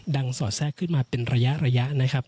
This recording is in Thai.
สอดแทรกขึ้นมาเป็นระยะนะครับ